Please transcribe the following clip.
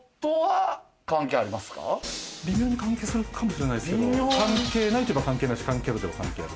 微妙に関係するかもしれないですけど関係ないといえば関係ないし関係あるといえば関係ある。